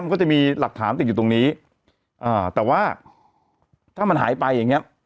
มันก็จะมีหลักฐานติดอยู่ตรงนี้อ่าแต่ว่าถ้ามันหายไปอย่างเงี้ย